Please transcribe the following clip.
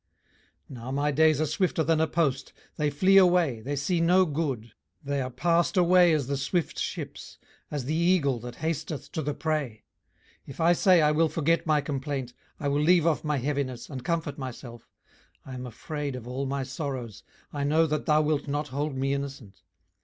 18:009:025 Now my days are swifter than a post: they flee away, they see no good. 18:009:026 They are passed away as the swift ships: as the eagle that hasteth to the prey. 18:009:027 If I say, I will forget my complaint, I will leave off my heaviness, and comfort myself: 18:009:028 I am afraid of all my sorrows, I know that thou wilt not hold me innocent.